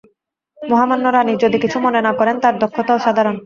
মহামান্য রানী, যদি কিছু মনে না করেন, তার দক্ষতা অসাধারণ।